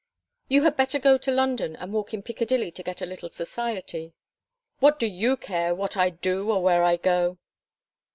"You had better go to London and walk in Piccadilly to get a little society." "What do you care what I do or where I go?"